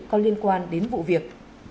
có liên quan đến vụ việc